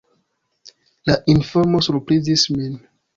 La informo surprizis min.